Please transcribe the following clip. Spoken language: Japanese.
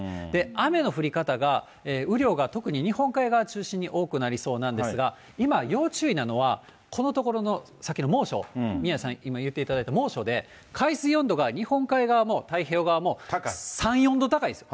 雨の降り方が、雨量が特に日本海側を中心に多くなりそうなんですが、今、要注意なのは、このところのさっきの猛暑、宮根さん、今言っていただいた猛暑で海水温度が日本海側も太平洋側も３、４度高いです。